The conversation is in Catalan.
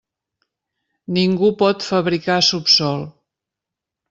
Ningú pot «fabricar» subsòl.